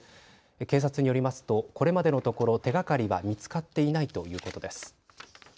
警察によりますとこれまでのところ、手がかりは見つかっていないということです。